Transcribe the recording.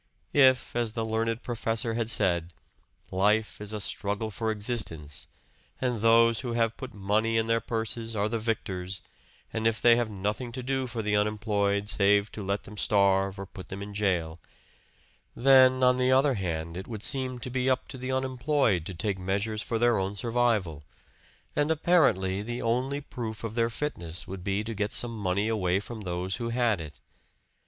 If, as the learned professor had said, life is a struggle for existence, and those who have put money in their purses are the victors; and if they have nothing to do for the unemployed save to let them starve or put them in jail; then on the other hand, it would seem to be up to the unemployed to take measures for their own survival. And apparently the only proof of their fitness would be to get some money away from those who had it.